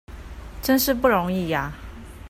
真是不容易啊！